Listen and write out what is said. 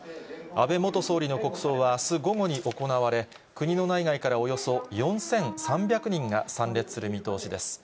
安倍元総理の国葬はあす午後に行われ、国の内外からおよそ４３００人が参列する見通しです。